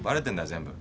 全部。